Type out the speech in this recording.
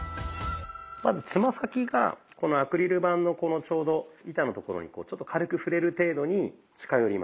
まずつま先がこのアクリル板のちょうど板のところにちょっと軽く触れる程度に近寄ります。